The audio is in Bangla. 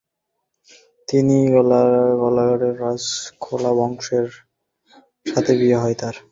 তিনি গোলাঘাটের রাজখোয়া বংশের যজ্ঞেশ্বরী আইদেউর সাথে তাঁর বিয়ে হয়।